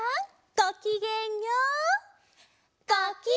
ごきげんよう！